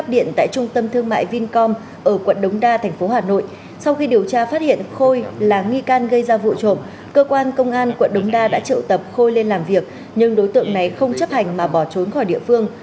hiện đối tượng đã được bàn giao cho công an quận đống đa để điều tra làm rõ